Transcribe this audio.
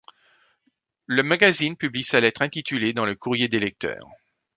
Le magazine publie sa lettre intitulée dans le courrier des lecteurs.